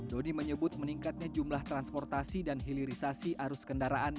doni menyebut meningkatnya jumlah transportasi dan hilirisasi arus kendaraannya